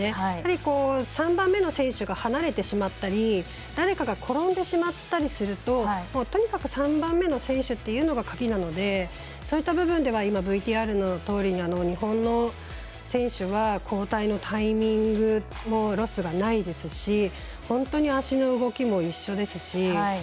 やはり３番目の選手が離れてしまったり誰かが転んでしまったりするととにかく３番目の選手というのが鍵なので、そういった部分では今、ＶＴＲのとおりに日本の選手は交代のタイミングのロスがないですし本当に脚の動きも一緒ですし。